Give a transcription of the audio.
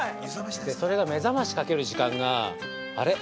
◆それが、目覚ましかける時間があれ？